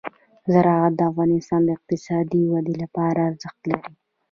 زراعت د افغانستان د اقتصادي ودې لپاره ارزښت لري.